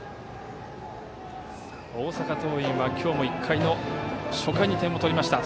大阪桐蔭は、今日も１回の初回に点を取りました。